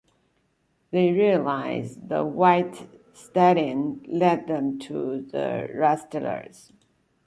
They realize the white stallion led them to the rustlers.